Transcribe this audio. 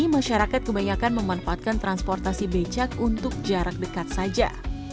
masyarakat kebanyakan memanfaatkan transportasi becak untuk jarak dekat saja